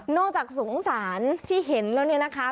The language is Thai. จากสงสารที่เห็นแล้วเนี่ยนะคะ